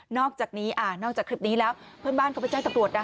อกจากนี้นอกจากคลิปนี้แล้วเพื่อนบ้านเขาไปแจ้งตำรวจนะ